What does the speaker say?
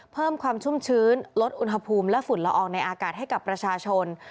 เพิ่มความชุ่มชื้นลดอุณหภูมิและฝุ่นละอองในอากาศให้กับประชาชน